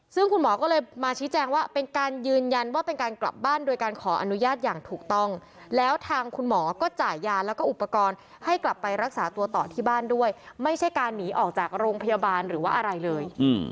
ซึ่งคุณหมอก็เลยมาชี้แจงว่าเป็นการยืนยันว่าเป็นการกลับบ้านโดยการขออนุญาตอย่างถูกต้องแล้วทางคุณหมอก็จ่ายยาแล้วก็อุปกรณ์ให้กลับไปรักษาตัวต่อที่บ้านด้วยไม่ใช่การหนีออกจากโรงพยาบาลหรือว่าอะไรเลย